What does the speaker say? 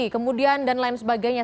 kemudian dan lain sebagainya